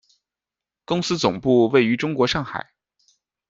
公司总部位于中国上海。